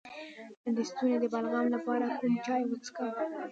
د ستوني د بلغم لپاره کوم چای وڅښم؟